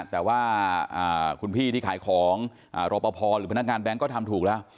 แต่ว่าคุณพี่ที่ขายของรอปภหรือพนักงานแบงค์ก็ทำถูกแล้ว